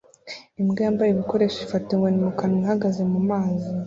Imbwa yambaye ibikoresho ifata inkoni mu kanwa ihagaze mu mazi